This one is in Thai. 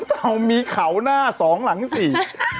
เรามีเขาหน้าสองหลังสี่